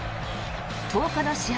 １０日の試合